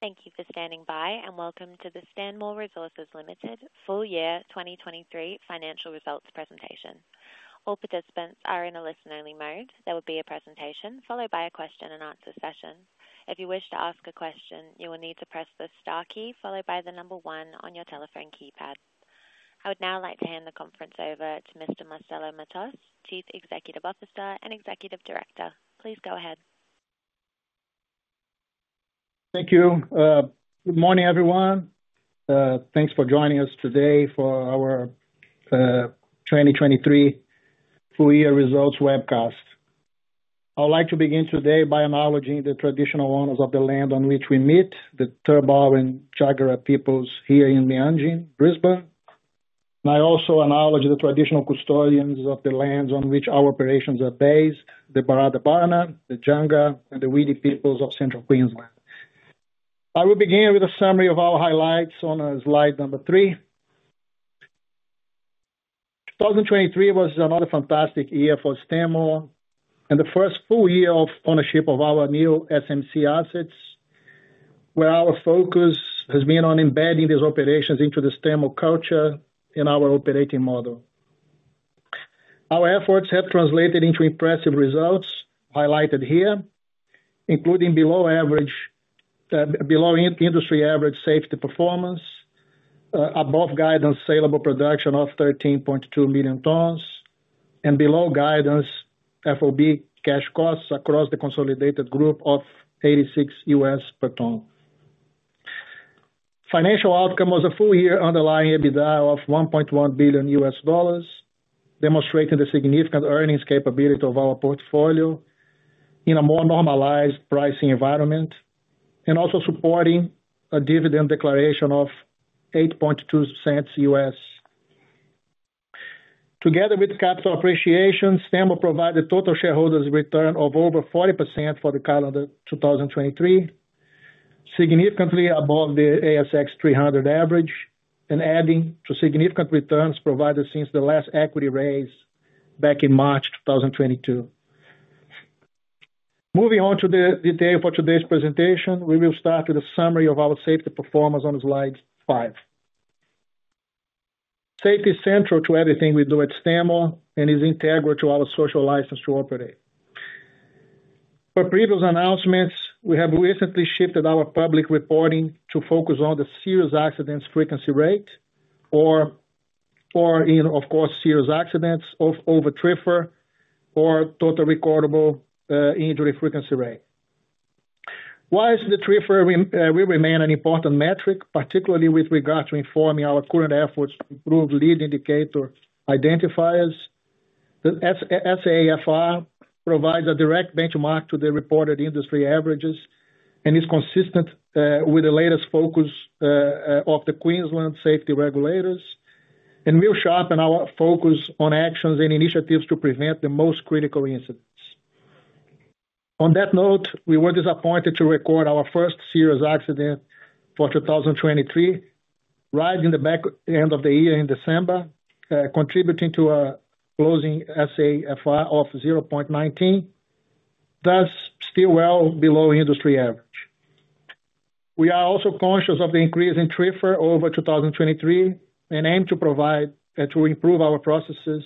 Thank you for standing by, and welcome to the Stanmore Resources Limited Full Year 2023 Financial Results Presentation. All participants are in a listen-only mode. There will be a presentation followed by a question and answer session. If you wish to ask a question, you will need to press the star key, followed by the number one on your telephone keypad. I would now like to hand the conference over to Mr. Marcelo Matos, Chief Executive Officer and Executive Director. Please go ahead. Thank you. Good morning, everyone. Thanks for joining us today for our 2023 full year results webcast. I would like to begin today by acknowledging the traditional owners of the land on which we meet, the Turrbal and Jagera peoples here in Meanjin, Brisbane. I also acknowledge the traditional custodians of the lands on which our operations are based, the Barada Barna, the Jangga, and the Widi peoples of Central Queensland. I will begin with a summary of our highlights on slide number 3. 2023 was another fantastic year for Stanmore, and the first full year of ownership of our new SMC assets, where our focus has been on embedding these operations into the Stanmore culture in our operating model. Our efforts have translated into impressive results highlighted here, including below average, below industry average safety performance, above guidance saleable production of 13.2 million tons, and below guidance FOB cash costs across the consolidated group of $86 per ton. Financial outcome was a full year underlying EBITDA of $1.1 billion, demonstrating the significant earnings capability of our portfolio in a more normalized pricing environment, and also supporting a dividend declaration of $0.082. Together with capital appreciation, Stanmore provided total shareholders return of over 40% for the calendar 2023, significantly above the ASX 300 average, and adding to significant returns provided since the last equity raise back in March 2022. Moving on to the detail for today's presentation, we will start with a summary of our safety performance on slide five. Safety is central to everything we do at Stanmore and is integral to our social license to operate. For previous announcements, we have recently shifted our public reporting to focus on the Serious Accident Frequency Rate or, of course, serious accidents over TRIFR or Total Recordable Injury Frequency Rate. Whilst the TRIFR will remain an important metric, particularly with regard to informing our current efforts to improve lead indicator identifiers. The SAFR provides a direct benchmark to the reported industry averages and is consistent with the latest focus of the Queensland safety regulators and will sharpen our focus on actions and initiatives to prevent the most critical incidents. On that note, we were disappointed to record our first serious accident for 2023, right in the back end of the year in December, contributing to a closing SAFR of 0.19. That's still well below industry average. We are also conscious of the increase in TRIFR over 2023 and aim to provide to improve our processes,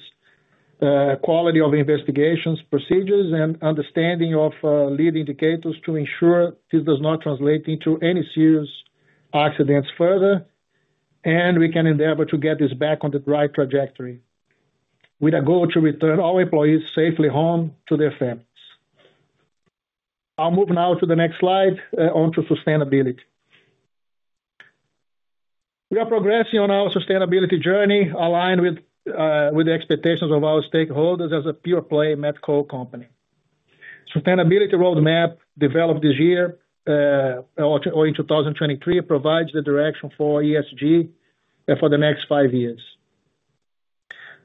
quality of the investigations, procedures, and understanding of leading indicators to ensure this does not translate into any serious accidents further, and we can endeavor to get this back on the right trajectory with a goal to return all employees safely home to their families. I'll move now to the next slide, on to sustainability. We are progressing on our sustainability journey, aligned with the expectations of our stakeholders as a pure-play metallurgical company. Sustainability roadmap developed this year or in 2023 provides the direction for ESG for the next five years.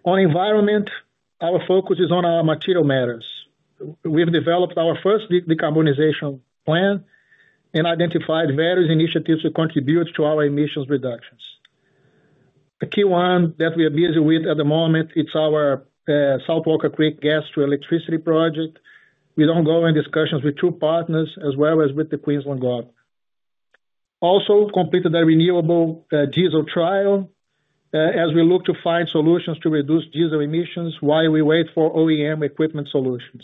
On environment, our focus is on our material matters. We've developed our first decarbonization plan and identified various initiatives to contribute to our emissions reductions. The key one that we are busy with at the moment, it's our South Walker Creek gas to electricity project. We're ongoing discussions with two partners, as well as with the Queensland Government. Also completed a renewable diesel trial as we look to find solutions to reduce diesel emissions while we wait for OEM equipment solutions.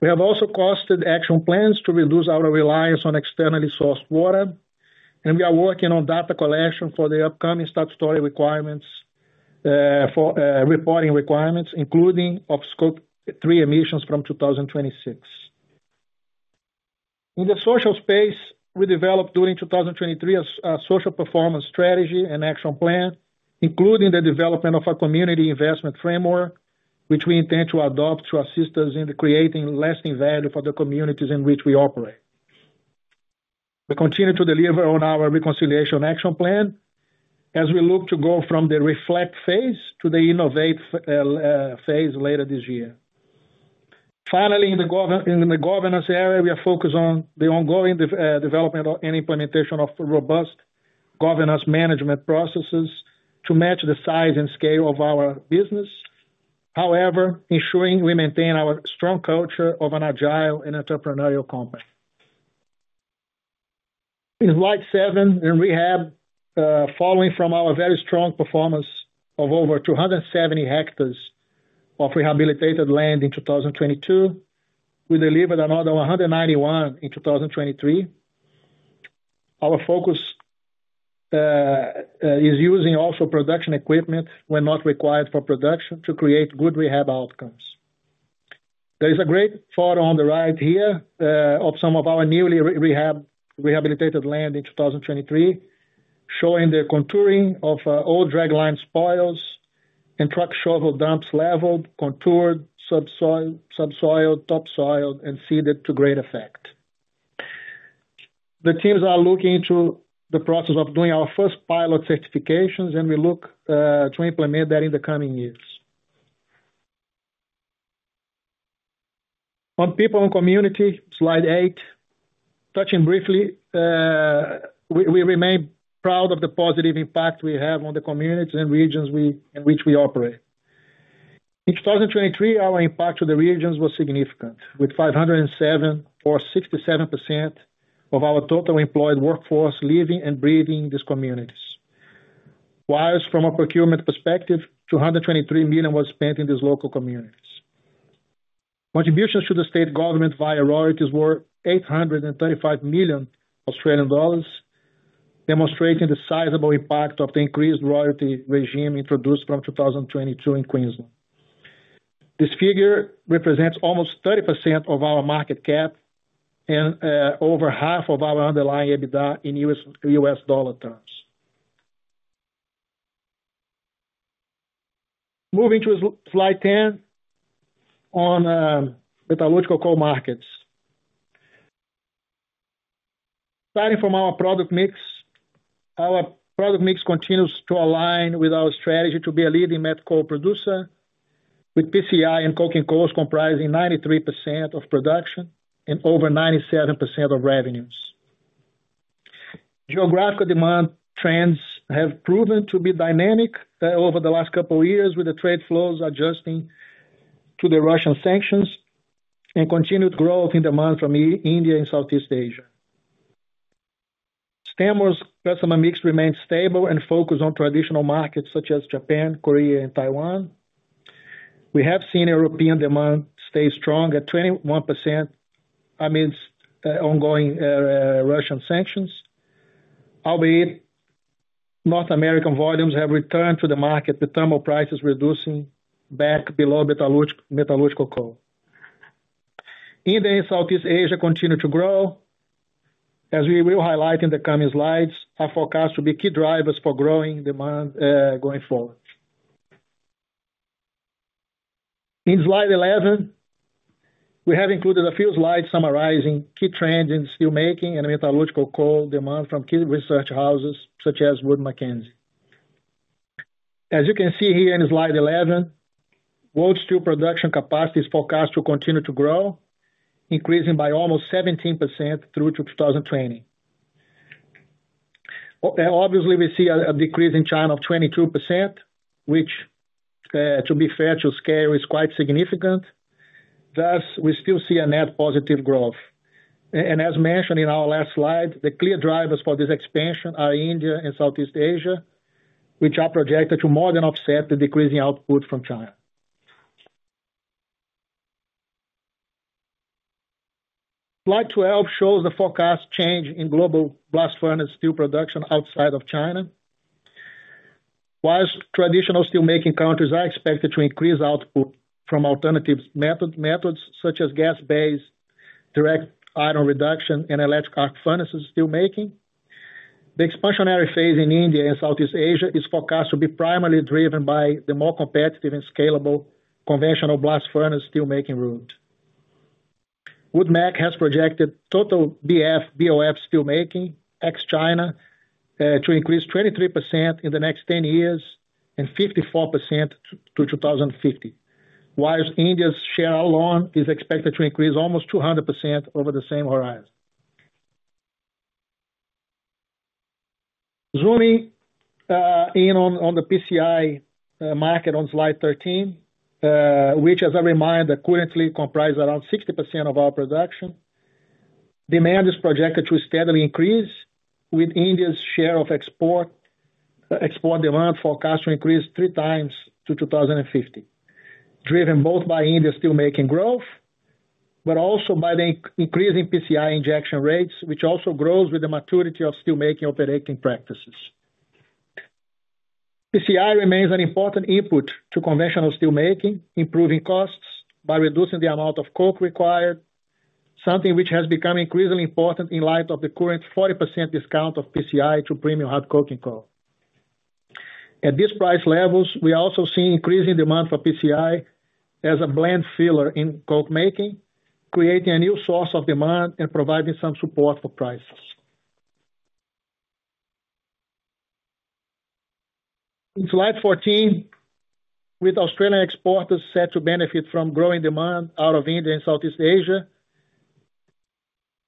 We have also costed action plans to reduce our reliance on externally sourced water, and we are working on data collection for the upcoming statutory requirements for reporting requirements, including of Scope 3 emissions from 2026. In the social space, we developed during 2023 a social performance strategy and action plan, including the development of a community investment framework, which we intend to adopt to assist us in creating lasting value for the communities in which we operate. We continue to deliver on our Reconciliation Action Plan as we look to go from the Reflect phase to the Innovate phase later this year. Finally, in the governance area, we are focused on the ongoing development and implementation of robust governance management processes to match the size and scale of our business. However, ensuring we maintain our strong culture of an agile and entrepreneurial company. In slide seven, in rehab, following from our very strong performance of over 270 hectares of rehabilitated land in 2022, we delivered another 191 in 2023. Our focus is using also production equipment when not required for production to create good rehab outcomes. There is a great photo on the right here, of some of our newly rehabilitated land in 2023, showing the contouring of, old dragline spoils and truck shovel dumps leveled, contoured, subsoil, subsoiled, topsoiled, and seeded to great effect. The teams are looking into the process of doing our first pilot certifications, and we look to implement that in the coming years. On people and community, slide eight. Touching briefly, we remain proud of the positive impact we have on the communities and regions in which we operate. In 2023, our impact to the regions was significant, with 67% of our total employed workforce living and breathing these communities. While from a procurement perspective, 223 million was spent in these local communities. Contributions to the state government via royalties were 835 million Australian dollars, demonstrating the sizable impact of the increased royalty regime introduced from 2022 in Queensland. This figure represents almost 30% of our market cap and over half of our underlying EBITDA in U.S. dollar terms. Moving to slide 10 on metallurgical coal markets. Starting from our product mix, our product mix continues to align with our strategy to be a leading met coal producer, with PCI and coking coals comprising 93% of production and over 97% of revenues. Geographical demand trends have proven to be dynamic over the last couple of years, with the trade flows adjusting to the Russian sanctions and continued growth in demand from India and Southeast Asia. Stanmore's customer mix remains stable and focused on traditional markets such as Japan, Korea, and Taiwan. We have seen European demand stay strong at 21% amidst ongoing Russian sanctions, albeit North American volumes have returned to the market, the thermal prices reducing back below metallurgical coal. India and Southeast Asia continue to grow, as we will highlight in the coming slides, are forecast to be key drivers for growing demand going forward. In slide 11, we have included a few slides summarizing key trends in steelmaking and metallurgical coal demand from key research houses such as Wood Mackenzie. As you can see here in slide 11, world steel production capacity is forecast to continue to grow, increasing by almost 17% through to 2020. And obviously, we see a decrease in China of 22%, which, to be fair, to scale is quite significant. Thus, we still see a net positive growth. And as mentioned in our last slide, the clear drivers for this expansion are India and Southeast Asia, which are projected to more than offset the decreasing output from China. Slide 12 shows the forecast change in global blast furnace steel production outside of China. While traditional steelmaking countries are expected to increase output from alternative methods such as gas-based, direct iron reduction, and electric arc furnaces steelmaking, the expansionary phase in India and Southeast Asia is forecast to be primarily driven by the more competitive and scalable conventional blast furnace steelmaking route. Wood Mac has projected total BF-BOF steelmaking, ex-China, to increase 23% in the next ten years and 54% to 2050. While India's share alone is expected to increase almost 200% over the same horizon. Zooming in on the PCI market on slide 13, which, as a reminder, currently comprise around 60% of our production. Demand is projected to steadily increase, with India's share of export, export demand forecast to increase three times to 2050, driven both by India's steelmaking growth, but also by the increasing PCI injection rates, which also grows with the maturity of steelmaking operating practices. PCI remains an important input to conventional steelmaking, improving costs by reducing the amount of coke required, something which has become increasingly important in light of the current 40% discount of PCI to premium coking coal. At these price levels, we are also seeing increasing demand for PCI as a blend filler in coke making, creating a new source of demand and providing some support for prices. In slide 14, with Australian exporters set to benefit from growing demand out of India and Southeast Asia....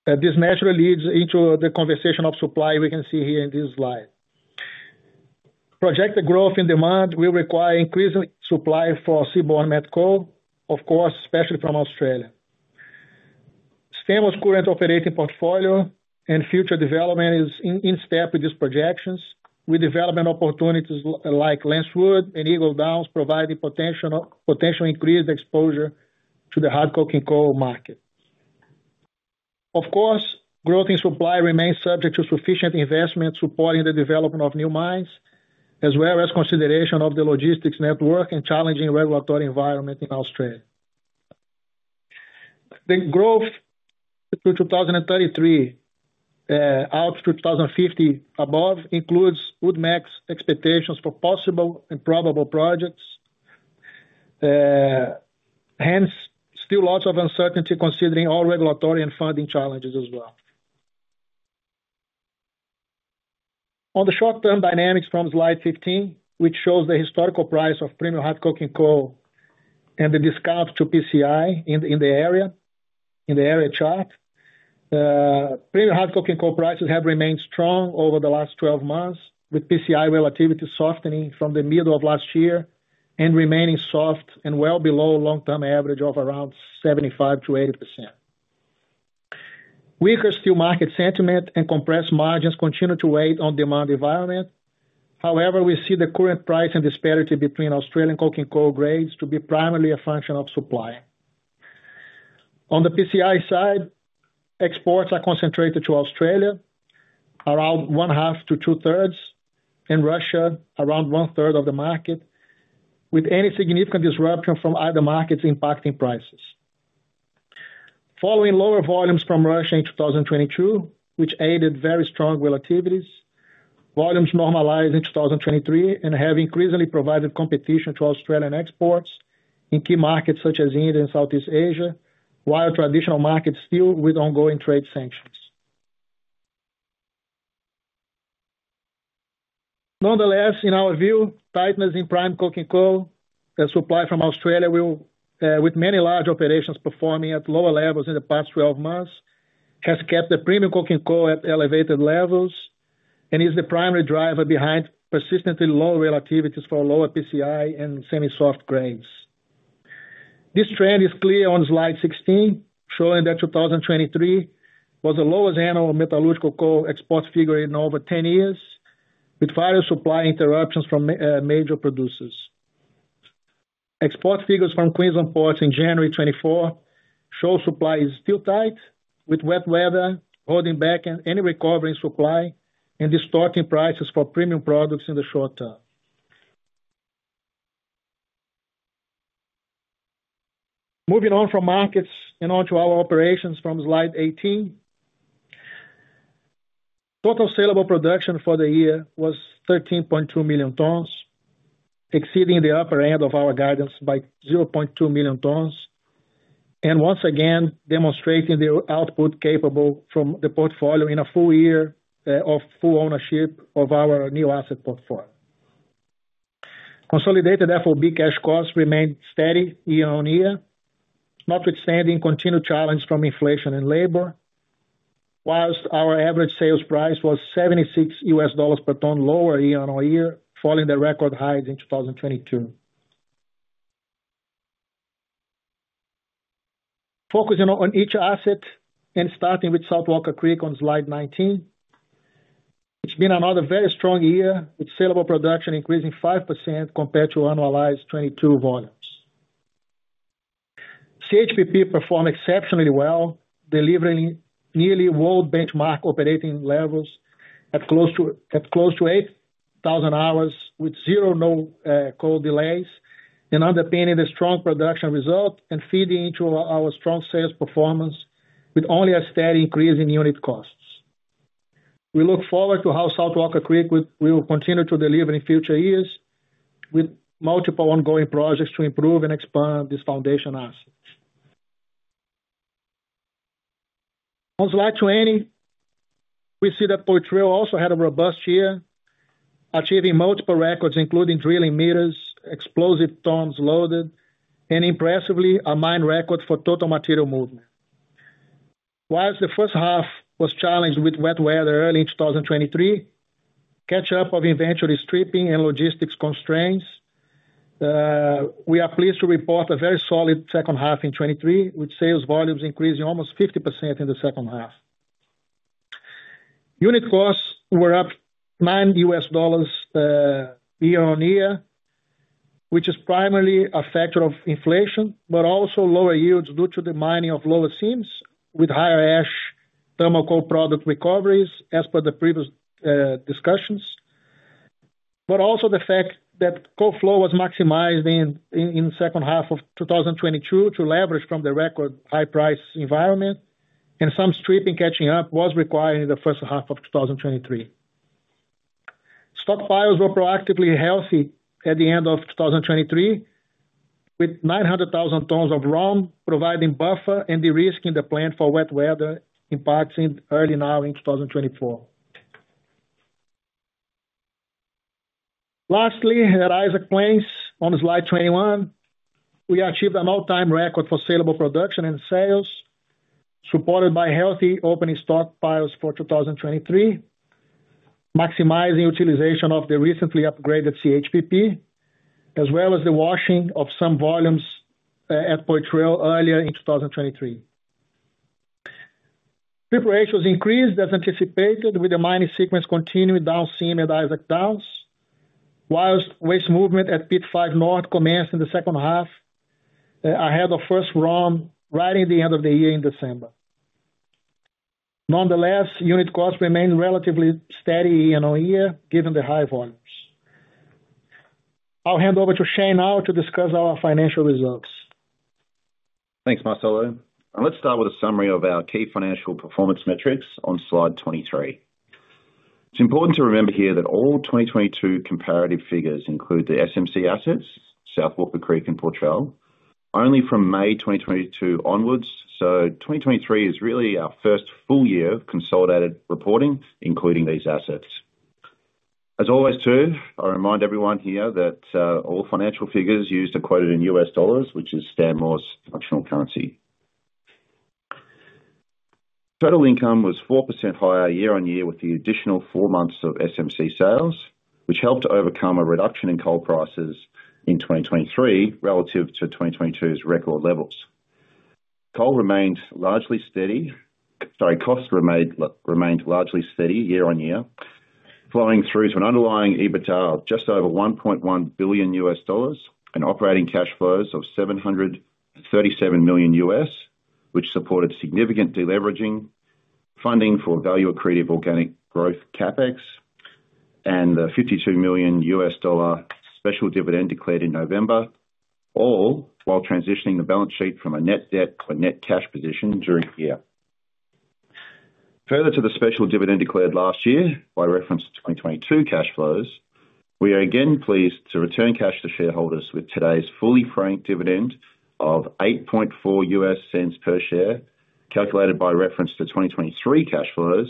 This naturally leads into the conversation of supply we can see here in this slide. Projected growth in demand will require increasing supply for seaborne met coal, of course, especially from Australia. Same as current operating portfolio and future development is in step with these projections, with development opportunities like Lancewood and Eagle Downs, providing potential, potentially increased exposure to the coking coal market. Of course, growth in supply remains subject to sufficient investment, supporting the development of new mines, as well as consideration of the logistics network and challenging regulatory environment in Australia. The growth through 2033, out to 2050 above, includes Wood Mackenzie's expectations for possible and probable projects. Hence, still lots of uncertainty considering all regulatory and funding challenges as well. On the short-term dynamics from slide 15, which shows the historical price of premium coking coal and the discount to PCI in the area chart. Premium coking coal prices have remained strong over the last 12 months, with PCI relativity softening from the middle of last year and remaining soft and well below long-term average of around 75%-80%. Weaker steel market sentiment and compressed margins continue to weigh on demand environment. However, we see the current price and disparity between Australian coking coal grades to be primarily a function of supply. On the PCI side, exports are concentrated to Australia, around one-half to two-thirds, and Russia, around one-third of the market, with any significant disruption from other markets impacting prices. Following lower volumes from Russia in 2022, which aided very strong relativities, volumes normalized in 2023 and have increasingly provided competition to Australian exports in key markets such as India and Southeast Asia, while traditional markets still with ongoing trade sanctions. Nonetheless, in our view, tightness in prime coking coal and supply from Australia will, with many large operations performing at lower levels in the past 12 months, has kept the premium coking coal at elevated levels and is the primary driver behind persistently low relativities for lower PCI and semi-soft grades. This trend is clear on slide 16, showing that 2023 was the lowest annual metallurgical coal export figure in over 10 years, with various supply interruptions from, major producers. Export figures from Queensland ports in January 2024 show supply is still tight, with wet weather holding back any recovery in supply and distorting prices for premium products in the short term. Moving on from markets and on to our operations from slide 18. Total sellable production for the year was 13.2 million tons, exceeding the upper end of our guidance by 0.2 million tons, and once again, demonstrating the output capable from the portfolio in a full year of full ownership of our new asset portfolio. Consolidated FOB cash costs remained steady year-on-year, notwithstanding continued challenge from inflation and labor, while our average sales price was $76 per ton, lower year-on-year, following the record highs in 2022. Focusing on each asset and starting with South Walker Creek on slide 19. It's been another very strong year, with sellable production increasing 5% compared to annualized 2022 volumes. CHPP performed exceptionally well, delivering nearly world benchmark operating levels at close to 8,000 hours, with zero coal delays, and underpinning the strong production result and feeding into our strong sales performance with only a steady increase in unit costs. We look forward to how South Walker Creek will continue to deliver in future years, with multiple ongoing projects to improve and expand this foundation assets. On slide 20, we see that Poitrel also had a robust year, achieving multiple records, including drilling meters, explosive tons loaded, and impressively, a mine record for total material movement. While the first half was challenged with wet weather early in 2023, catch up of inventory stripping and logistics constraints, we are pleased to report a very solid second half in 2023, with sales volumes increasing almost 50% in the second half. Unit costs were up $9 year-on-year, which is primarily a factor of inflation, but also lower yields due to the mining of lower seams with higher ash thermal coal product recoveries, as per the previous discussions. But also the fact that coal flow was maximized in the second half of 2022 to leverage from the record high price environment, and some stripping catching up was required in the first half of 2023. Stockpiles were proactively healthy at the end of 2023, with 900,000 tons of ROM, providing buffer and de-risking the plan for wet weather impacts in early now in 2024. Lastly, at Isaac Plains, on Slide 21, we achieved an all-time record for saleable production and sales, supported by healthy opening stockpiles for 2023, maximizing utilization of the recently upgraded CHPP, as well as the washing of some volumes at Poitrel earlier in 2023. Preparation was increased as anticipated, with the mining sequence continuing down seam at Isaac Downs, whilst waste movement at Pit 5 North commenced in the second half ahead of first run, right at the end of the year in December. Nonetheless, unit costs remained relatively steady year-on-year, given the high volumes. I'll hand over to Shane now to discuss our financial results. Thanks, Marcelo. Let's start with a summary of our key financial performance metrics on Slide 23. It's important to remember here that all 2022 comparative figures include the SMC assets, South Walker Creek and Poitrel, only from May 2022 onwards, so 2023 is really our first full year of consolidated reporting, including these assets. As always, too, I remind everyone here that all financial figures used are quoted in US dollars, which is Stanmore's functional currency. Total income was 4% higher year-on-year, with the additional 4 months of SMC sales, which helped overcome a reduction in coal prices in 2023 relative to 2022's record levels. Costs remained largely steady year-on-year, flowing through to an underlying EBITDA of just over $1.1 billion, and operating cash flows of $737 million, which supported significant deleveraging, funding for value-accretive organic growth CapEx, and a $52 million special dividend declared in November, all while transitioning the balance sheet from a net debt to a net cash position during the year. Further to the special dividend declared last year, by reference to 2022 cash flows, we are again pleased to return cash to shareholders with today's fully franked dividend of $0.084 per share, calculated by reference to 2023 cash flows,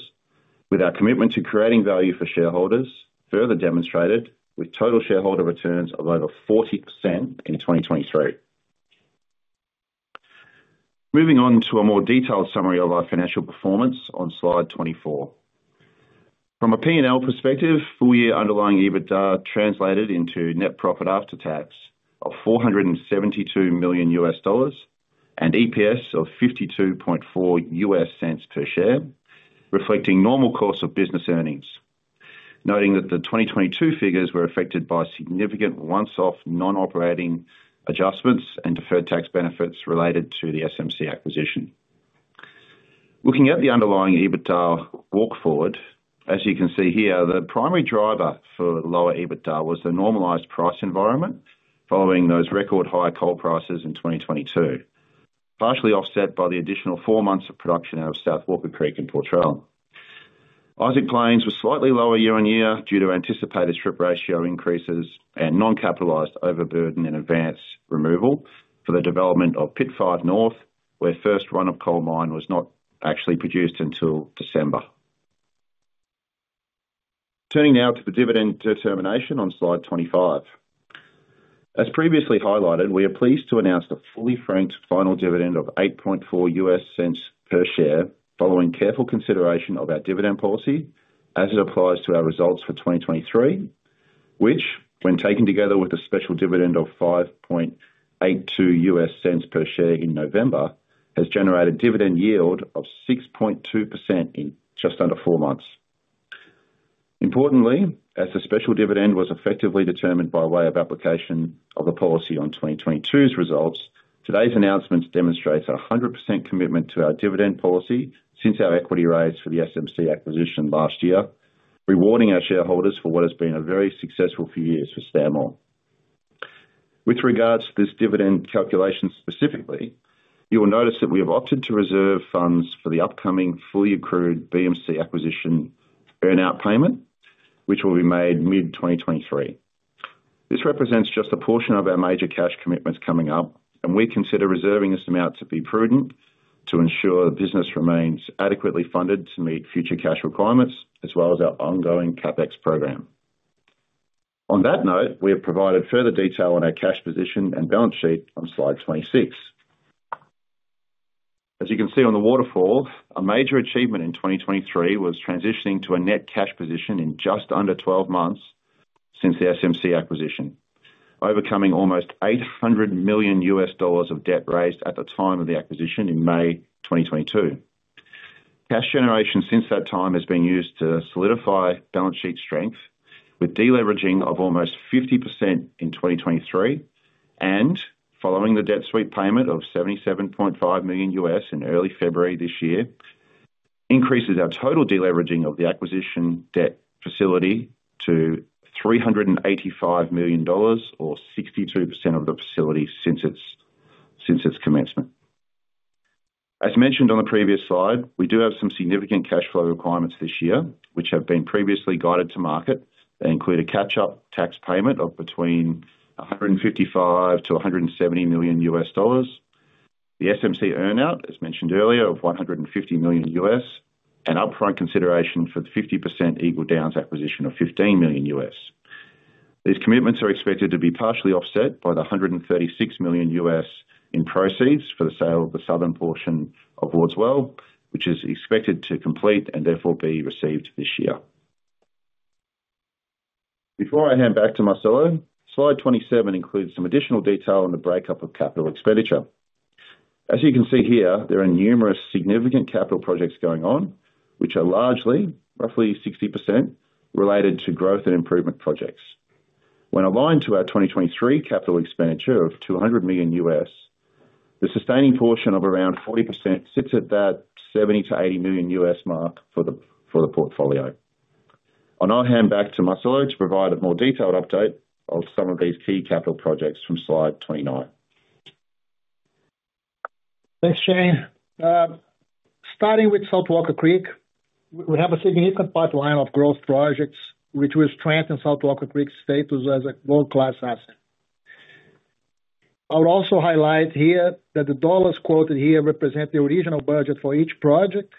with our commitment to creating value for shareholders, further demonstrated with total shareholder returns of over 40% in 2023. Moving on to a more detailed summary of our financial performance on Slide 24. From a P&L perspective, full-year underlying EBITDA translated into net profit after tax of $472 million, and EPS of $0.524 per share, reflecting normal course of business earnings. Noting that the 2022 figures were affected by significant one-off, non-operating adjustments and deferred tax benefits related to the SMC acquisition. Looking at the underlying EBITDA walk forward, as you can see here, the primary driver for lower EBITDA was the normalized price environment, following those record high coal prices in 2022, partially offset by the additional four months of production out of South Walker Creek and Poitrel. Isaac Plains was slightly lower year-on-year, due to anticipated strip ratio increases and non-capitalized overburden in advance removal for the development of Pit 5 North, where first run of coal mine was not actually produced until December. Turning now to the dividend determination on Slide 25. As previously highlighted, we are pleased to announce the fully franked final dividend of $0.084 per share, following careful consideration of our dividend policy as it applies to our results for 2023, which, when taken together with a special dividend of $0.0582 per share in November, has generated dividend yield of 6.2% in just under 4 months. Importantly, as the special dividend was effectively determined by way of application of a policy on 2022's results, today's announcement demonstrates 100% commitment to our dividend policy since our equity raise for the SMC acquisition last year, rewarding our shareholders for what has been a very successful few years for Stanmore. With regards to this dividend calculation, specifically, you will notice that we have opted to reserve funds for the upcoming fully accrued BMC acquisition earn-out payment, which will be made mid-2023. This represents just a portion of our major cash commitments coming up, and we consider reserving this amount to be prudent, to ensure the business remains adequately funded to meet future cash requirements, as well as our ongoing CapEx program. On that note, we have provided further detail on our cash position and balance sheet on Slide 26. As you can see on the waterfall, a major achievement in 2023 was transitioning to a net cash position in just under 12 months since the SMC acquisition, overcoming almost $800 million of debt raised at the time of the acquisition in May 2022. Cash generation since that time has been used to solidify balance sheet strength, with deleveraging of almost 50% in 2023, and following the debt service payment of $77.5 million in early February this year, increases our total deleveraging of the acquisition debt facility to $385 million or 62% of the facility since its commencement. As mentioned on the previous slide, we do have some significant cash flow requirements this year, which have been previously guided to market. They include a catch-up tax payment of between $155 million and $170 million. The SMC earn-out, as mentioned earlier, of $150 million, and upfront consideration for the 50% Eagle Downs acquisition of $15 million. These commitments are expected to be partially offset by the $136 million in proceeds for the sale of the southern portion of Wards Well, which is expected to complete and therefore be received this year. Before I hand back to Marcelo, slide 27 includes some additional detail on the breakdown of capital expenditure. As you can see here, there are numerous significant capital projects going on, which are largely, roughly 60%, related to growth and improvement projects. When aligned to our 2023 capital expenditure of $200 million, the sustaining portion of around 40% sits at that $70 million-$80 million mark for the portfolio. I'll now hand back to Marcelo to provide a more detailed update of some of these key capital projects from slide 29. Thanks, Shane. Starting with South Walker Creek, we have a significant pipeline of growth projects which will strengthen South Walker Creek's status as a world-class asset. I would also highlight here that the dollars quoted here represent the original budget for each project,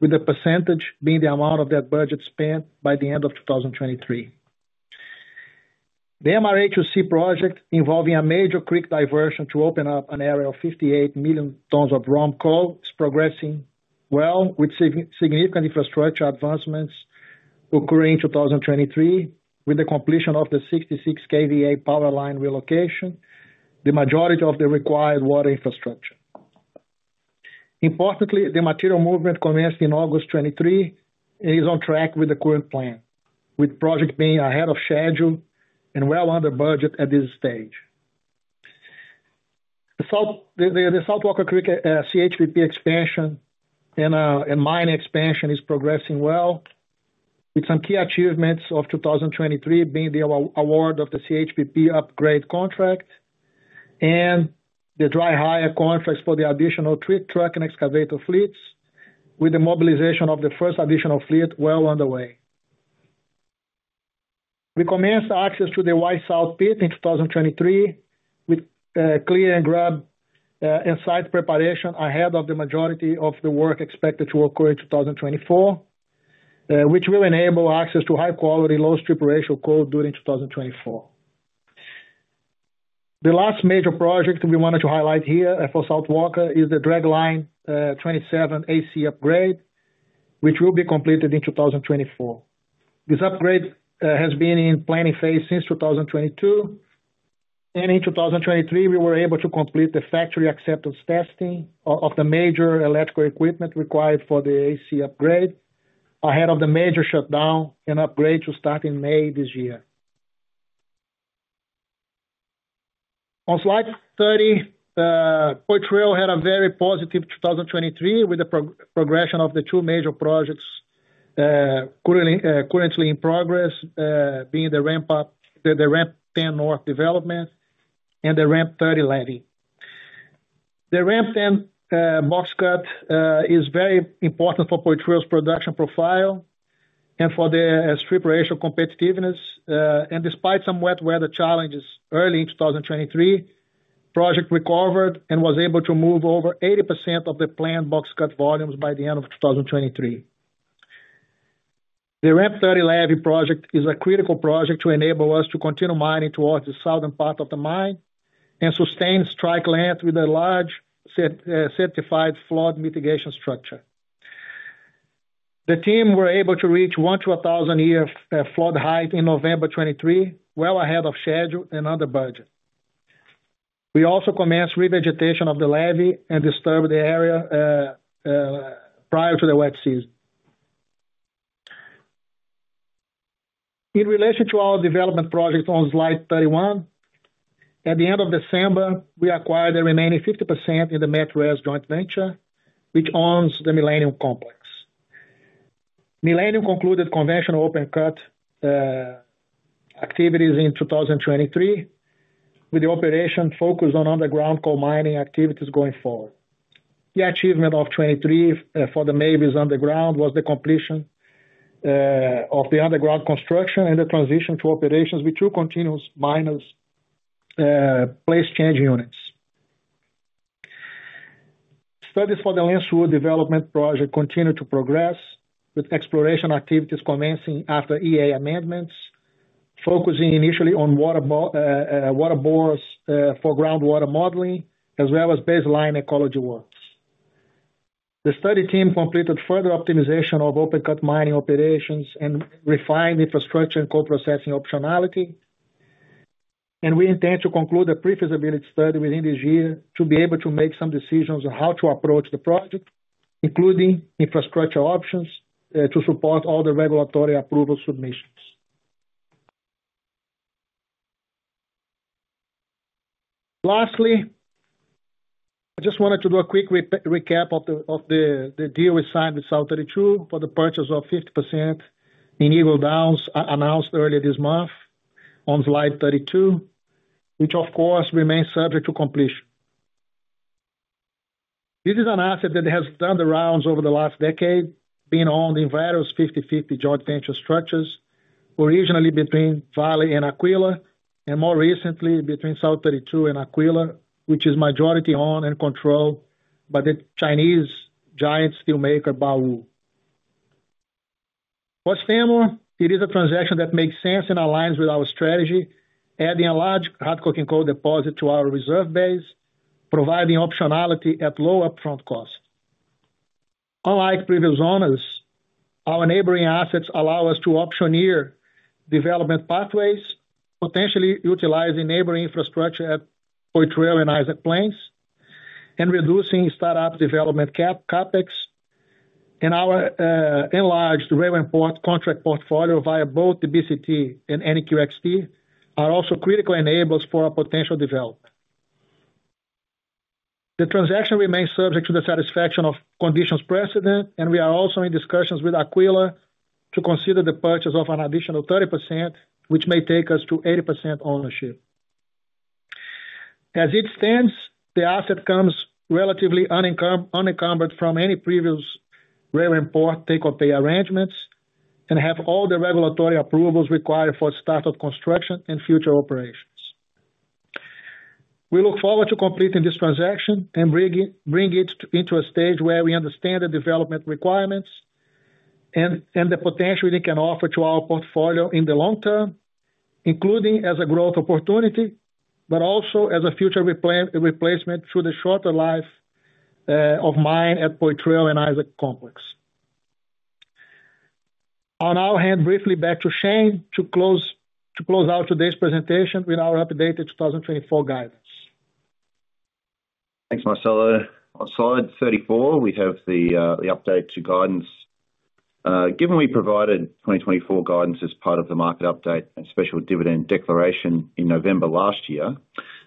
with the percentage being the amount of that budget spent by the end of 2023. The MRA2C project, involving a major creek diversion to open up an area of 58 million tons of ROM coal, is progressing well, with significant infrastructure advancements occurring in 2023, with the completion of the 66 kV power line relocation, the majority of the required water infrastructure. Importantly, the material movement commenced in August 2023, and is on track with the current plan, with project being ahead of schedule and well under budget at this stage. The South Walker Creek CHPP expansion and mine expansion is progressing well, with some key achievements of 2023 being the award of the CHPP upgrade contract and the dry hire contracts for the additional truck and excavator fleets, with the mobilization of the first additional fleet well underway. We commenced access to the Y South pit in 2023, with clear and grub and site preparation ahead of the majority of the work expected to occur in 2024, which will enable access to high quality, low strip ratio coal during 2024. The last major project we wanted to highlight here for South Walker is the Dragline 27 AC upgrade, which will be completed in 2024. This upgrade has been in planning phase since 2022, and in 2023, we were able to complete the factory acceptance testing of the major electrical equipment required for the AC upgrade, ahead of the major shutdown and upgrade to start in May this year. On slide 30, Poitrel had a very positive 2023, with the progression of the two major projects currently in progress, being the Ramp 10 North development and the Ramp 3 levee. The Ramp 10 box cut is very important for Poitrel's production profile and for the strip ratio competitiveness. And despite some wet weather challenges early in 2023, project recovered and was able to move over 80% of the planned box cut volumes by the end of 2023. The Ramp 3 levee project is a critical project to enable us to continue mining towards the southern part of the mine, and sustain strike length with a large set, certified flood mitigation structure. The team were able to reach one in 1000-year flood height in November 2023, well ahead of schedule and under budget. We also commenced revegetation of the levee and disturbed the area, prior to the wet season. In relation to our development project on Slide 31, at the end of December, we acquired the remaining 50% in the MetRes joint venture, which owns the Millennium Complex. Millennium concluded conventional open cut activities in 2023, with the operation focused on underground coal mining activities going forward. The achievement of 2023 for the Mavis Underground was the completion of the underground construction and the transition to operations with two continuous miners place change units. Studies for the Lancewood development project continue to progress, with exploration activities commencing after EA amendments, focusing initially on water bores for groundwater modeling, as well as baseline ecology works. The study team completed further optimization of open cut mining operations and refined infrastructure and coal processing optionality. We intend to conclude a pre-feasibility study within this year to be able to make some decisions on how to approach the project, including infrastructure options to support all the regulatory approval submissions. Lastly, I just wanted to do a quick recap of the deal we signed with South32 for the purchase of 50% in Eagle Downs, announced earlier this month on slide 32, which of course remains subject to completion. This is an asset that has done the rounds over the last decade, being owned in various 50/50 joint venture structures, originally between Vale and Aquila, and more recently between South32 and Aquila, which is majority owned and controlled by the Chinese giant steelmaker, Baowu. For Stanmore, it is a transaction that makes sense and aligns with our strategy, adding a large hard coking coal deposit to our reserve base, providing optionality at low upfront cost. Unlike previous owners, our neighboring assets allow us to auctioneer development pathways, potentially utilizing neighboring infrastructure at Poitrel and Isaac Plains, and reducing start-up development CapEx. And our enlarged rail and port contract portfolio via both the DBCT and NQXT are also critical enablers for our potential development. The transaction remains subject to the satisfaction of conditions precedent, and we are also in discussions with Aquila to consider the purchase of an additional 30%, which may take us to 80% ownership. As it stands, the asset comes relatively unencumbered from any previous rail and port take-or-pay arrangements, and have all the regulatory approvals required for start of construction and future operations. We look forward to completing this transaction and bringing it into a stage where we understand the development requirements and the potential it can offer to our portfolio in the long term, including as a growth opportunity, but also as a future replacement through the shorter life of mine at Poitrel and Isaac Complex. I'll now hand briefly back to Shane to close out today's presentation with our updated 2024 guidance. Thanks, Marcelo. On Slide 34, we have the update to guidance. Given we provided 2024 guidance as part of the market update and special dividend declaration in November last year,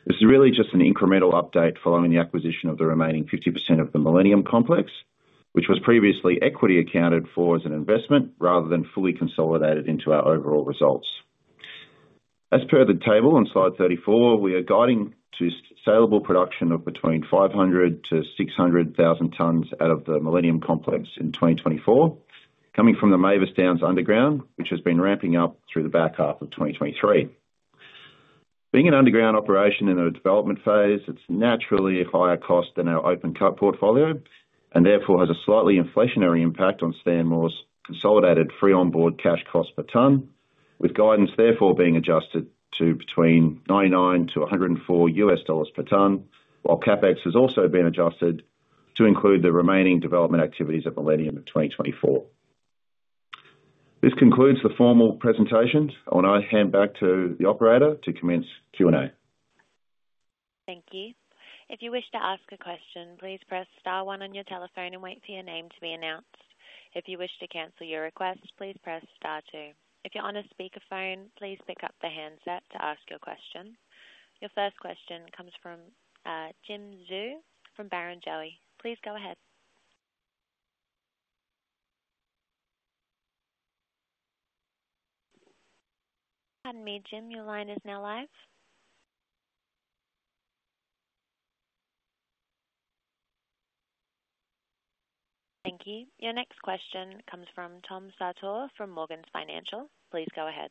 this is really just an incremental update following the acquisition of the remaining 50% of the Millennium Complex, which was previously equity accounted for as an investment rather than fully consolidated into our overall results. As per the table on slide 34, we are guiding to saleable production of between 500,000-600,000 tons out of the Millennium Complex in 2024, coming from the Mavis Downs Underground, which has been ramping up through the back half of 2023. Being an underground operation in a development phase, it's naturally a higher cost than our open cut portfolio, and therefore has a slightly inflationary impact on Stanmore's consolidated free on-board cash cost per ton, with guidance therefore being adjusted to between $99-$104 per ton, while CapEx has also been adjusted to include the remaining development activities at Millennium in 2024. This concludes the formal presentation. I want to hand back to the operator to commence Q&A. Thank you. If you wish to ask a question, please press star one on your telephone and wait for your name to be announced. If you wish to cancel your request, please press star two. If you're on a speakerphone, please pick up the handset to ask your question. Your first question comes from Jim Xu from Barrenjoey. Please go ahead. Pardon me, Jim, your line is now live. Thank you. Your next question comes from Tom Sartor from Morgans Financial. Please go ahead.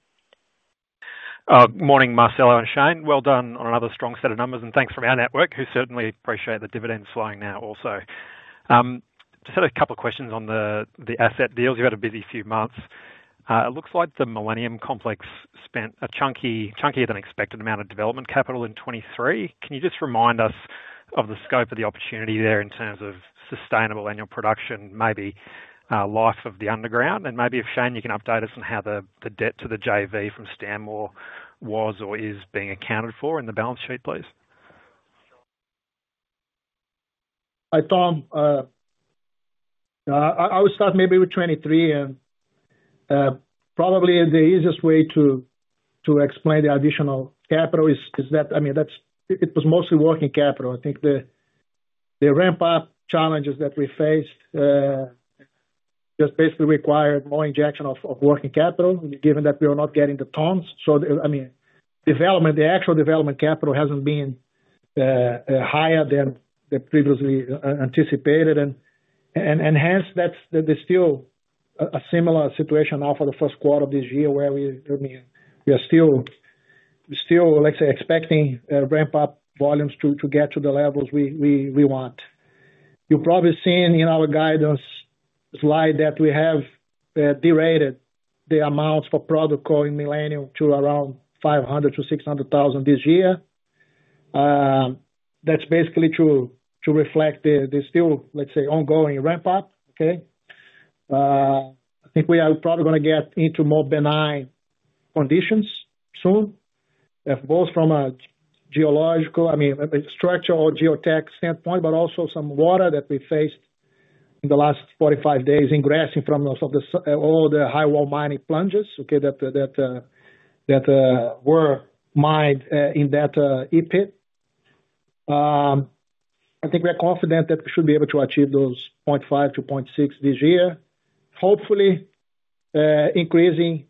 Morning, Marcelo and Shane. Well done on another strong set of numbers, and thanks from our network, who certainly appreciate the dividends flowing now also. Just had a couple of questions on the asset deals. You had a busy few months. It looks like the Millennium Complex spent a chunky, chunkier than expected amount of development capital in 2023. Can you just remind us of the scope of the opportunity there in terms of sustainable annual production, maybe life of the underground? And maybe, Shane, you can update us on how the debt to the JV from Stanmore was or is being accounted for in the balance sheet, please? Hi, Tom. I would start maybe with 2023, and probably the easiest way to explain the additional capital is that, I mean, that's -- it was mostly working capital. I think the ramp-up challenges that we faced just basically required more injection of working capital, given that we were not getting the tons. So, I mean, development, the actual development capital hasn't been higher than the previously anticipated, and hence, that's, there's still a similar situation now for the first quarter of this year, where we, I mean, we are still, we're still, let's say, expecting ramp-up volumes to get to the levels we want. You've probably seen in our guidance slide that we have derated the amounts for product coal in Millennium to around 500,000-600,000 this year. That's basically to Reflect the still, let's say, ongoing ramp-up, okay? I think we are probably gonna get into more benign conditions soon, both from a geological, I mean, structural or geotech standpoint, but also some water that we faced in the last 45 days, ingressing from some of the s- all the highwall mining plunges, okay, that were mined in that epit. I think we're confident that we should be able to achieve those 0.5-0.6 this year, hopefully, increasing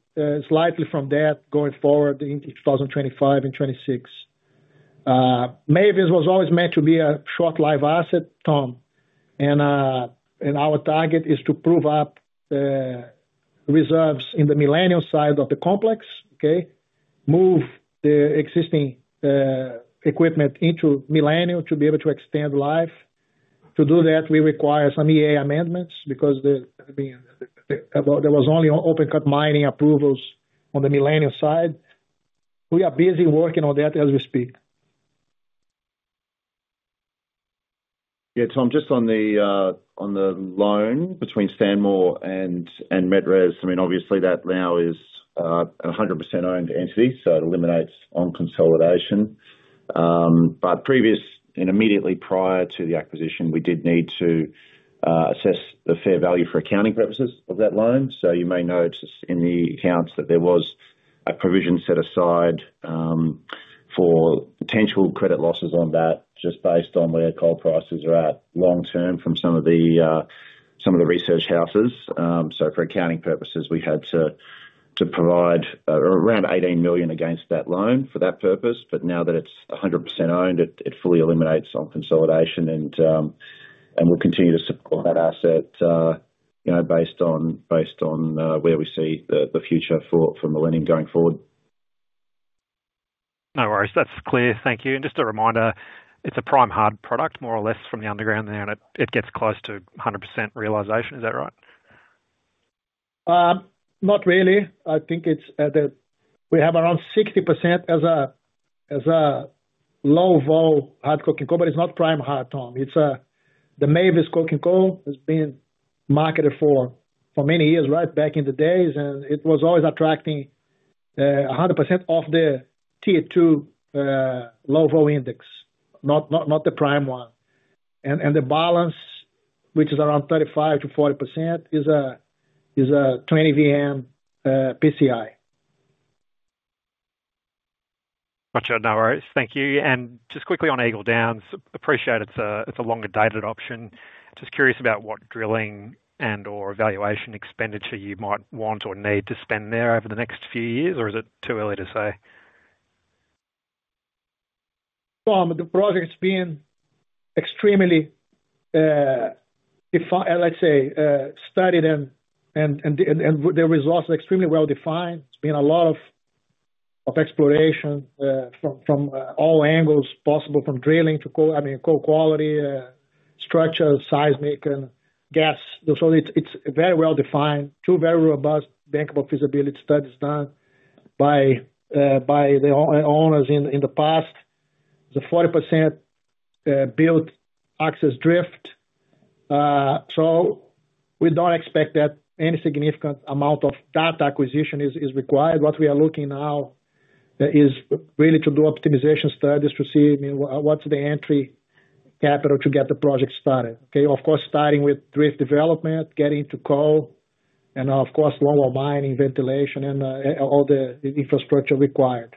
slightly from that going forward in 2025 and 2026. Mavis was always meant to be a short-life asset, Tom. And, and our target is to prove up the reserves in the Millennium side of the complex, okay? Move the existing equipment into Millennium to be able to extend life. To do that, we require some EA amendments because the, I mean, there, there was only open cut mining approvals on the Millennium side. We are busy working on that as we speak. Yeah, Tom, just on the, on the loan between Stanmore and MetRes. I mean, obviously that now is 100% owned entity, so it eliminates on consolidation. But previous and immediately prior to the acquisition, we did need to, assess the fair value for accounting purposes of that loan. So you may notice in the accounts that there was a provision set aside, for potential credit losses on that, just based on where coal prices are at long term from some of the, some of the research houses. So for accounting purposes, we had to provide around $18 million against that loan for that purpose, but now that it's 100% owned, it fully eliminates on consolidation, and we'll continue to support that asset, you know, based on where we see the future for Millennium going forward. No worries. That's clear. Thank you. And just a reminder, it's a prime hard product, more or less from the underground there, and it, it gets close to 100% realization. Is that right? Not really. I think it's at the-- We have around 60% as a, as a low vol hard coking coal, but it's not prime hard, Tom. It's, the Mavis coking coal has been marketed for, for many years, right back in the days, and it was always attracting, a 100% of the T2, low vol index, not, not, not the prime one. And, and the balance, which is around 35%-40%, is a, is a 20 VM, PCI. Got you. No worries. Thank you. Just quickly on Eagle Downs, appreciate it's a, it's a longer dated option. Just curious about what drilling and/or evaluation expenditure you might want or need to spend there over the next few years, or is it too early to say? Tom, the project's been extremely, let's say, studied and the results are extremely well defined. It's been a lot of exploration from all angles possible, from drilling to coal, I mean, coal quality, structure, seismic and gas. So it's very well defined, two very robust bankable feasibility studies done by the owners in the past. The 40% build access drift. So we don't expect that any significant amount of data acquisition is required. What we are looking now is really to do optimization studies to see, I mean, what's the entry capital to get the project started, okay? Of course, starting with drift development, getting to coal, and of course, longwall mining, ventilation, and all the infrastructure required.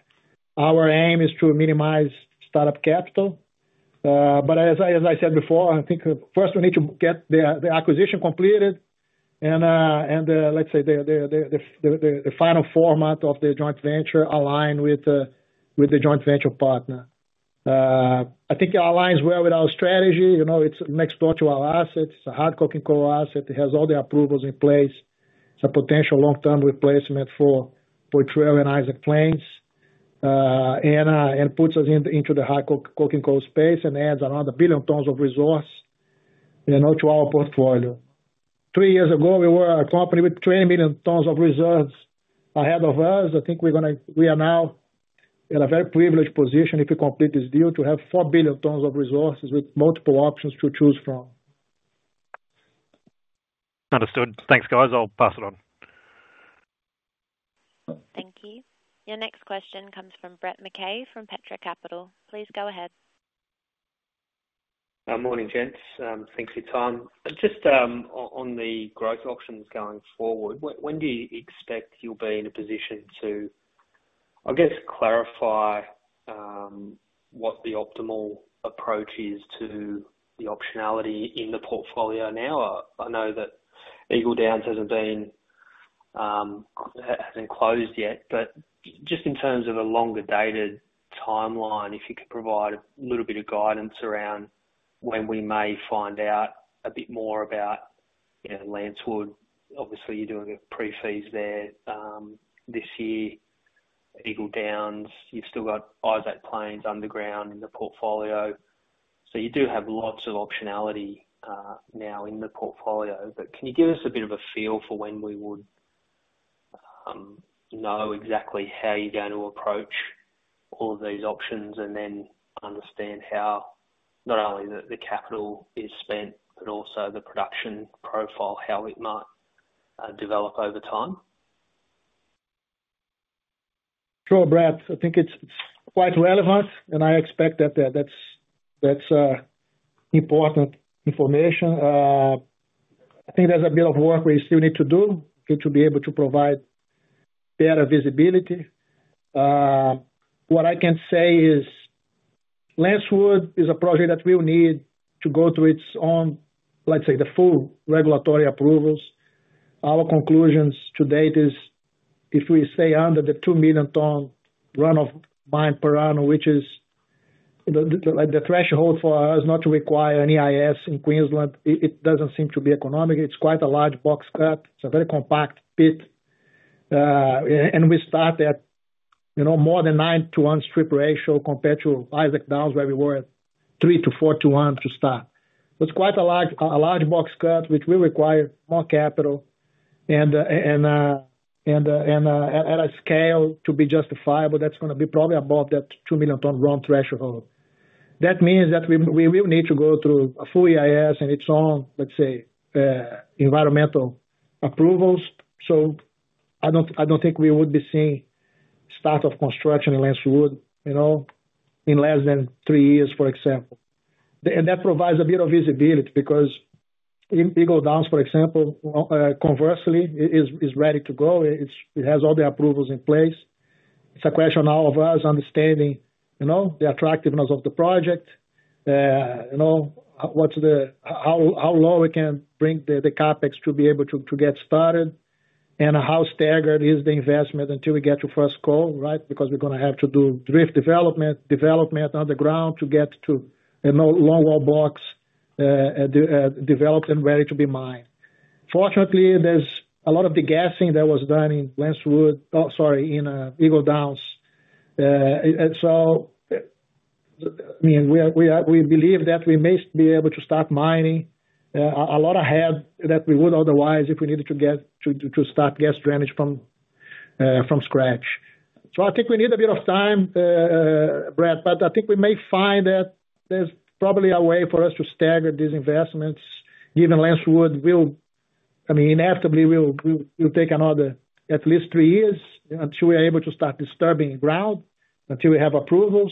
Our aim is to minimize start-up capital, but as I said before, I think first we need to get the acquisition completed and, let's say, the final format of the joint venture aligned with the joint venture partner. I think it aligns well with our strategy. You know, it's next door to our assets. It's a hard coking coal asset. It has all the approvals in place. It's a potential long-term replacement for Poitrel and Isaac Plains, and puts us into the high co-coking coal space and adds another 1 billion tons of resource, you know, to our portfolio. Three years ago, we were a company with 20 million tons of reserves ahead of us. I think we are now in a very privileged position, if we complete this deal, to have 4 billion tons of resources with multiple options to choose from. Understood. Thanks, guys. I'll pass it on. Thank you. Your next question comes from Brett McKay, from Petra Capital. Please go ahead. Morning, gents. Thanks for your time. Just on the growth options going forward, when do you expect you'll be in a position to, I guess, clarify what the optimal approach is to the optionality in the portfolio now? I know that Eagle Downs hasn't closed yet, but just in terms of a longer dated timeline, if you could provide a little bit of guidance around when we may find out a bit more about, you know, Lancewood. Obviously, you're doing a pre-feas there this year. Eagle Downs, you've still got Isaac Plains underground in the portfolio. So you do have lots of optionality now in the portfolio. But can you give us a bit of a feel for when we would know exactly how you're going to approach all of these options, and then understand how not only the capital is spent, but also the production profile, how it might develop over time? Sure, Brett. I think it's quite relevant, and I expect that that's, that's, important information. I think there's a bit of work we still need to do to be able to provide better visibility. What I can say is, Lancewood is a project that will need to go to its own, let's say, the full regulatory approvals. Our conclusions to date is if we stay under the 2 million ton run of mine per annum, which is the, the, like, the threshold for us not to require an EIS in Queensland, it, it doesn't seem to be economic. It's quite a large box cut. It's a very compact pit. And we start at, you know, more than 9:1 strip ratio compared to Isaac Downs, where we were at 3:1-4:1 to start. It's quite a large, a large box cut, which will require more capital and at a scale to be justifiable, that's gonna be probably above that 2 million ton run threshold. That means that we, we will need to go through a full EIS and its own, let's say, environmental approvals. So I don't, I don't think we would be seeing start of construction in Lancewood, you know, in less than three years, for example. And that provides a bit of visibility because in Eagle Downs, for example, conversely, is ready to go. It's- It has all the approvals in place. It's a question now of us understanding, you know, the attractiveness of the project, you know, what's the... How low we can bring the CapEx to be able to get started, and how staggered is the investment until we get to first coal, right? Because we're gonna have to do drift development, development on the ground to get to a more longwall box, developed and ready to be mined. Fortunately, there's a lot of the gassing that was done in Lancewood, sorry, in Eagle Downs. And so, I mean, we believe that we may be able to start mining a lot ahead, that we would otherwise if we needed to get to start gas drainage from scratch. So I think we need a bit of time, Brett, but I think we may find that there's probably a way for us to stagger these investments, given Lancewood will, I mean, inevitably will take another at least three years until we are able to start disturbing ground, until we have approvals.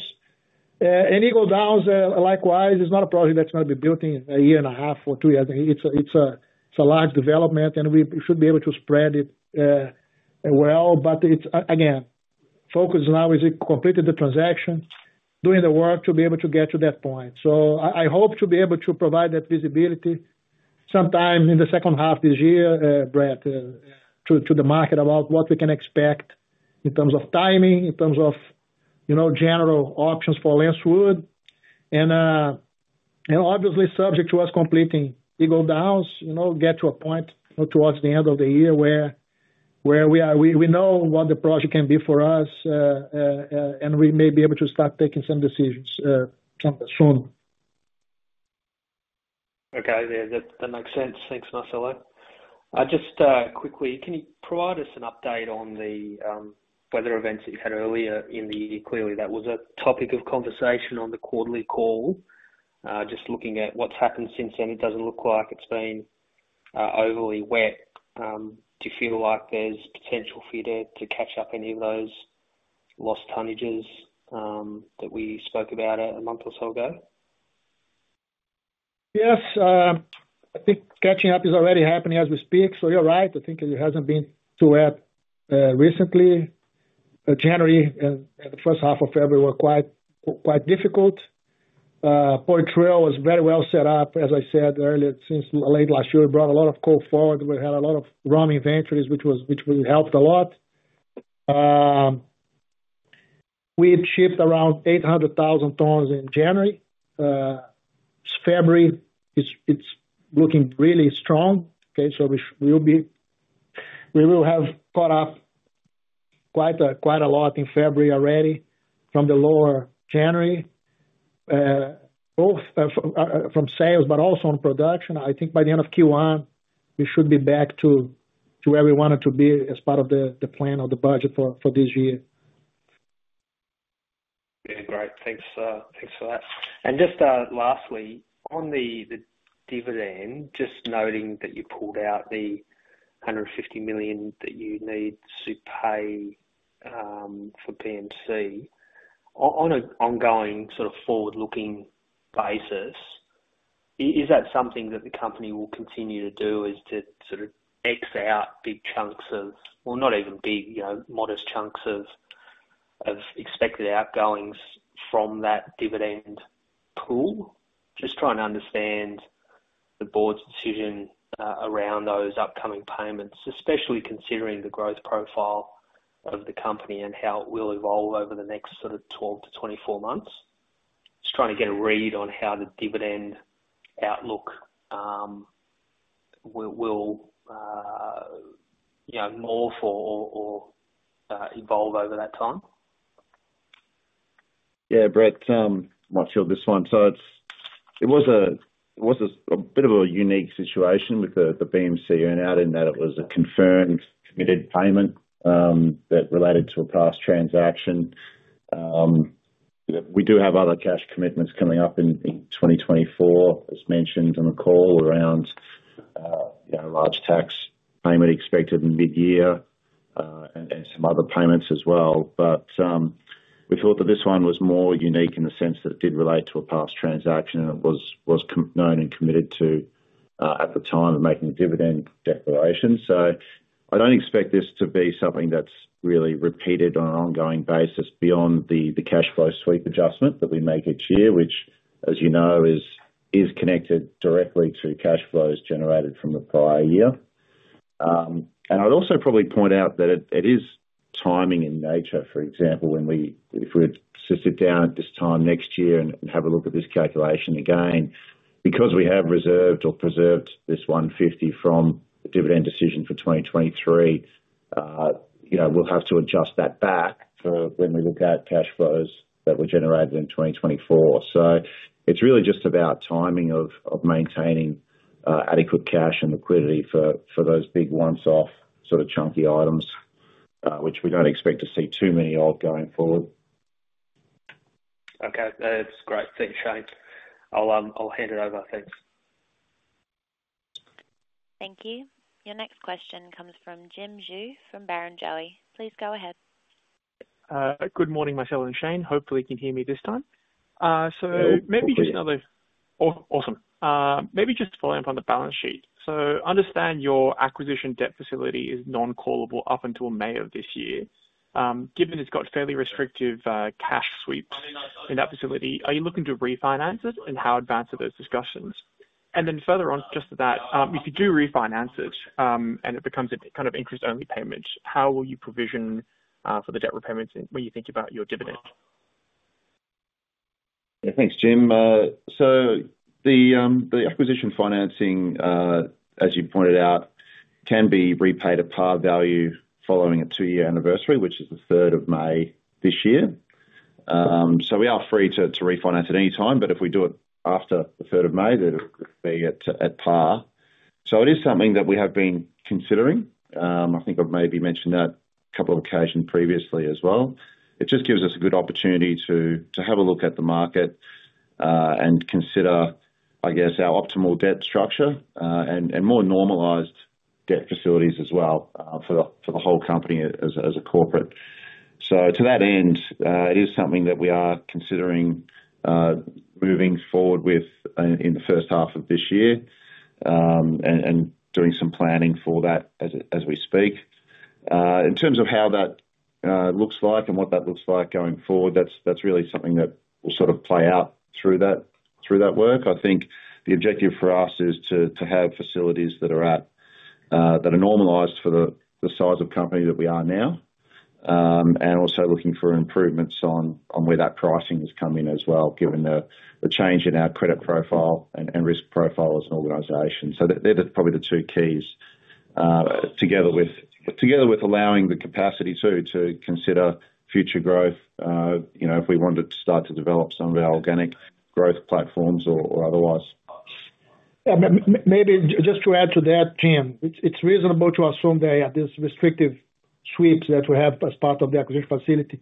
And Eagle Downs, likewise, is not a project that's going to be built in a year and a half or two years. It's a large development, and we should be able to spread it, well. But it's again, focus now is to complete the transaction, doing the work to be able to get to that point. So I hope to be able to provide that visibility sometime in the second half of this year, Brett, to the market about what we can expect in terms of timing, in terms of, you know, general options for Lancewood. And obviously subject to us completing Eagle Downs, you know, get to a point towards the end of the year where we know what the project can be for us, and we may be able to start taking some decisions sometime soon. Okay, yeah, that, that makes sense. Thanks, Marcelo. Just quickly, can you provide us an update on the weather events that you had earlier in the year? Clearly, that was a topic of conversation on the quarterly call. Just looking at what's happened since then, it doesn't look like it's been overly wet. Do you feel like there's potential for you there to catch up any of those lost tonnages, that we spoke about a month or so ago? Yes, I think catching up is already happening as we speak. So you're right, I think it hasn't been too wet recently. But January and the first half of February were quite difficult. Poitrel was very well set up, as I said earlier, since late last year, brought a lot of coal forward. We had a lot of ROM inventories, which helped a lot. We had shipped around 800,000 tons in January. February, it's looking really strong, okay? So we will have caught up quite a lot in February already from the lower January, both from sales, but also on production. I think by the end of Q1, we should be back to where we wanted to be as part of the plan or the budget for this year. Yeah, great. Thanks, thanks for that. And just lastly, on the dividend, just noting that you pulled out the $150 million that you need to pay for BMC. On an ongoing sort of forward-looking basis, is that something that the company will continue to do, is to sort of X out big chunks of, well, not even big, you know, modest chunks of expected outgoings from that dividend pool? Just trying to understand the board's decision around those upcoming payments, especially considering the growth profile of the company and how it will evolve over the next sort of 12-24 months. Just trying to get a read on how the dividend outlook will, you know, morph or evolve over that time. Yeah, Brett, Marcelo, this one. So it was a bit of a unique situation with the BMC earn-out, in that it was a confirmed, committed payment that related to a past transaction. We do have other cash commitments coming up in 2024, as mentioned on the call around, you know, large tax payment expected in mid-year, and some other payments as well. But we thought that this one was more unique in the sense that it did relate to a past transaction, and it was known and committed to at the time of making the dividend declaration. So, you know... I don't expect this to be something that's really repeated on an ongoing basis beyond the cash flow sweep adjustment that we make each year, which, as you know, is connected directly to cash flows generated from the prior year. And I'd also probably point out that it is timing in nature, for example, if we were to sit down at this time next year and have a look at this calculation again, because we have reserved or preserved this $150 from the dividend decision for 2023, you know, we'll have to adjust that back for when we look at cash flows that were generated in 2024. It's really just about timing of maintaining adequate cash and liquidity for those big one-off, sort of, chunky items, which we don't expect to see too many of going forward. Okay. That's great. Thanks, Shane. I'll, I'll hand it over. Thanks. Thank you. Your next question comes from Jim Xu, from Barrenjoey. Please go ahead. Good morning, Marcelo and Shane. Hopefully, you can hear me this time. So maybe just another- Yeah. Oh, awesome. Maybe just following up on the balance sheet. So understand your acquisition debt facility is non-callable up until May of this year. Given it's got fairly restrictive cash sweeps in that facility, are you looking to refinance it, and how advanced are those discussions? And then further on, just to that, if you do refinance it, and it becomes a kind of interest-only payment, how will you provision for the debt repayments when you think about your dividend? Yeah, thanks, Jim. So the, the acquisition financing, as you pointed out, can be repaid at par value following a two-year anniversary, which is the third of May this year. So we are free to, to refinance at any time, but if we do it after the third of May, it'll be at, at par. So it is something that we have been considering. I think I've maybe mentioned that a couple of occasions previously as well. It just gives us a good opportunity to, to have a look at the market, and consider, I guess, our optimal debt structure, and, and more normalized debt facilities as well, for the, for the whole company as, as a corporate. So to that end, it is something that we are considering, moving forward with, in the first half of this year, and doing some planning for that as we speak. In terms of how that looks like and what that looks like going forward, that's really something that will sort of play out through that work. I think the objective for us is to have facilities that are at, that are normalized for the size of company that we are now, and also looking for improvements on where that pricing has come in as well, given the change in our credit profile and risk profile as an organization. They're probably the two keys, together with allowing the capacity, too, to consider future growth, you know, if we wanted to start to develop some of our organic growth platforms or otherwise. Yeah. Maybe just to add to that, Jim, it's, it's reasonable to assume that, yeah, this restrictive sweeps that we have as part of the acquisition facility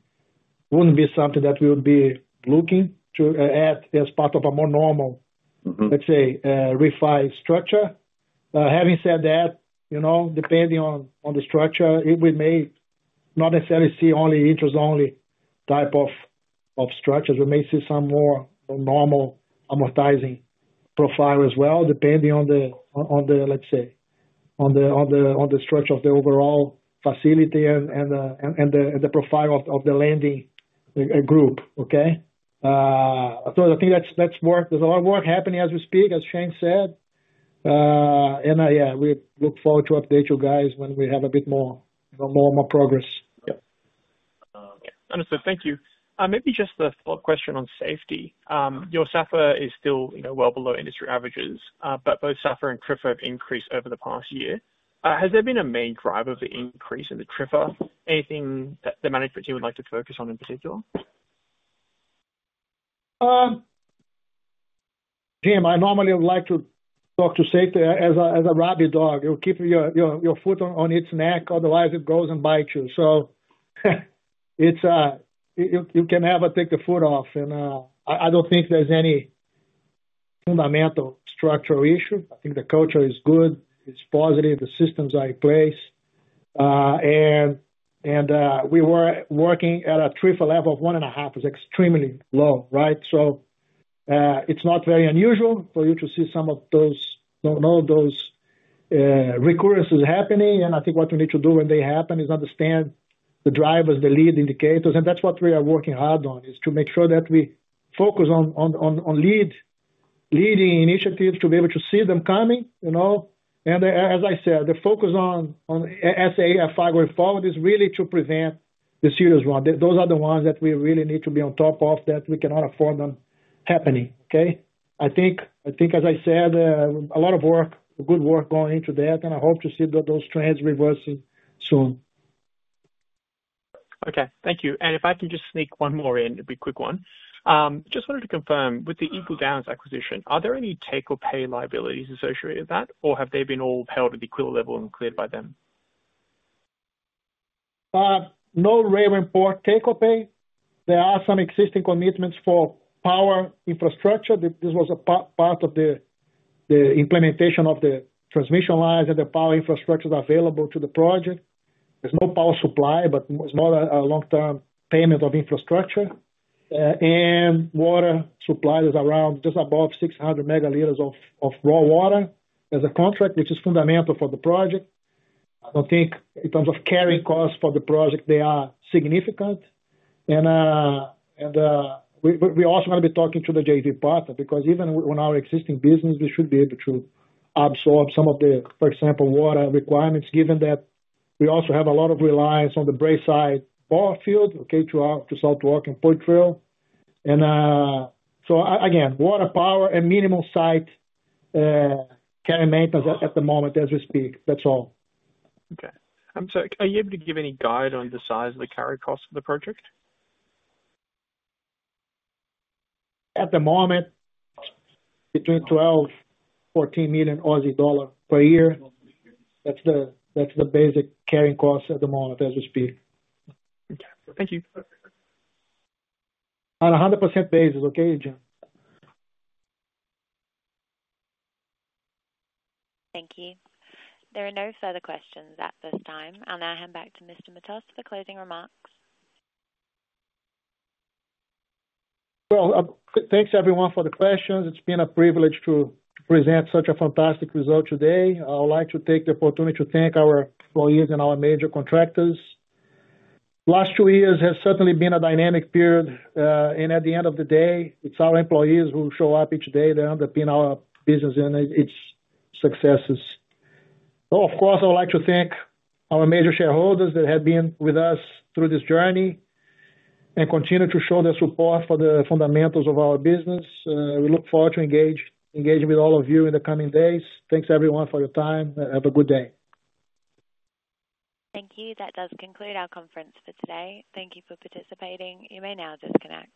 wouldn't be something that we would be looking to add as part of a more normal- Mm-hmm Let's say refi structure. Having said that, you know, depending on the structure, it, we may not necessarily see only interest-only type of structures. We may see some more normal amortizing profile as well, depending on the, let's say, structure of the overall facility and the profile of the lending group. Okay? So I think that's more, there's a lot more happening as we speak, as Shane said. And yeah, we look forward to update you guys when we have a bit more progress. Yeah. Understood. Thank you. Maybe just a follow-up question on safety. Your SAFR is still, you know, well below industry averages, but both SAFR and TRIFR have increased over the past year. Has there been a main driver of the increase in the TRIFR? Anything that the management team would like to focus on in particular? Jim, I normally would like to talk to safety as a rabid dog. It will keep your foot on its neck, otherwise it goes and bites you. So it's... You can never take the foot off, and I don't think there's any fundamental structural issue. I think the culture is good, it's positive, the systems are in place. And we were working at a TRIF level of 1.5, is extremely low, right? So it's not very unusual for you to see some of those, you know, those recurrences happening. And I think what we need to do when they happen, is understand the drivers, the lead indicators, and that's what we are working hard on. Is to make sure that we focus on leading initiatives to be able to see them coming, you know? And as I said, the focus on SAFR going forward is really to prevent the serious one. Those are the ones that we really need to be on top of, that we cannot afford them happening, okay? I think, as I said, a lot of work, good work going into that, and I hope to see those trends reversing soon. Okay, thank you. If I can just sneak one more in, it'll be a quick one. Just wanted to confirm, with the Eagle Downs acquisition, are there any take or pay liabilities associated with that, or have they been all held at the Eagle level and cleared by them? No rail and port take or pay. There are some existing commitments for power infrastructure. This was a part of the implementation of the transmission lines and the power infrastructure available to the project. There's no power supply, but it's not a long-term payment of infrastructure. And water supply is around just above 600 megaliters of raw water. There's a contract which is fundamental for the project. I don't think in terms of carrying costs for the project, they are significant. And, but we also gonna be talking to the JV partner, because even when our existing business, we should be able to absorb some of the, for example, water requirements, given that we also have a lot of reliance on the Braeside Borefield, okay, to our, to South Walker Creek and Poitrel. So again, water, power, and minimal site carrying maintenance at the moment as we speak. That's all. Okay. So are you able to give any guide on the size of the carry cost of the project? At the moment, between 12 million-14 million Aussie dollar per year. That's the, that's the basic carrying cost at the moment, as we speak. Okay. Thank you. On a 100% basis, okay, Jim? Thank you. There are no further questions at this time. I'll now hand back to Mr. Matos for the closing remarks. Well, thanks everyone for the questions. It's been a privilege to present such a fantastic result today. I would like to take the opportunity to thank our employees and our major contractors. Last two years has certainly been a dynamic period, and at the end of the day, it's our employees who show up each day. They underpin our business and its successes. So of course, I would like to thank our major shareholders that have been with us through this journey and continue to show their support for the fundamentals of our business. We look forward to engaging with all of you in the coming days. Thanks everyone for your time. Have a good day. Thank you. That does conclude our conference for today. Thank you for participating. You may now disconnect.